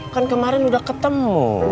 kan kemarin udah ketemu